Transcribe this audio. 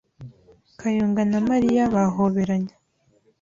Kayonga na Mariya bahoberanye.